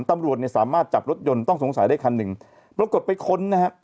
ตำรวจเนี่ยสามารถจับรถยนต์ต้องสงสัยได้คันหนึ่งปรากฏไปค้นนะฮะ